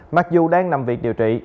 mặc dù đang nằm việc điều trị